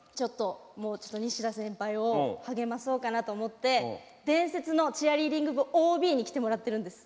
ちょっとニシダ先輩を励まそうかなと思って伝説のチアリーディング部ＯＢに来てもらってるんです。